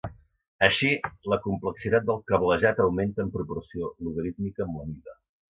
Així, la complexitat del cablejat augmenta en proporció logarítmica amb la mida.